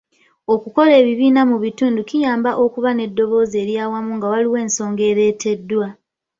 Okukola ebibiina mu bitundu kiyamba okuba n'eddoboozi ery'awamu nga waliwo ensonga ereeteddwa.